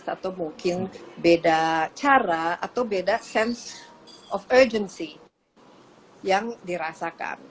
atau mungkin beda cara atau beda sense of urgency yang dirasakan